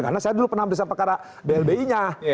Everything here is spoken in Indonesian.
karena saya dulu pernah meriksa perkara blbi nya